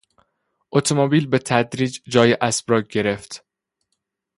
اتومبیل به تدریج جای اسب را گرفت.